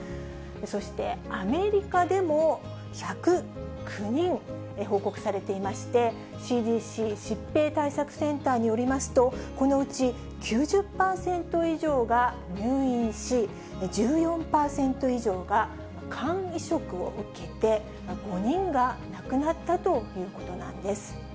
そしてアメリカでも、１０９人報告されていまして、ＣＤＣ・疾病対策センターによりますと、このうち９０％以上が入院し、１４％以上が肝移植を受けて、５人が亡くなったということなんです。